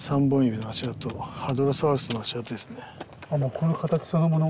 この形そのもの？